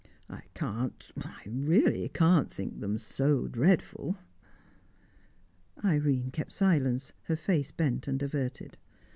I can't I really can't think them so dreadful." Irene kept silence, her face bent and averted.